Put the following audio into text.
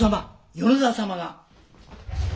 米沢様が。